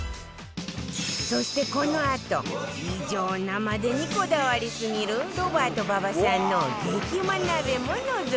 そしてこのあと異常なまでにこだわりすぎるロバート馬場さんの激うま鍋ものぞき見